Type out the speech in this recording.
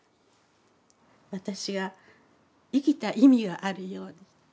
私が生きた意味があるようにっていう。